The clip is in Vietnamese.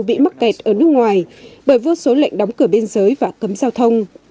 bị mắc kẹt ở nước ngoài bởi vô số lệnh đóng cửa biên giới và cấm giao thông